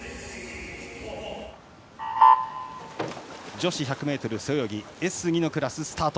女子１００ｍ背泳ぎＳ２のクラス、スタート。